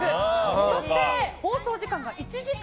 そして、放送時間が１時間